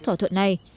thỏa thuận này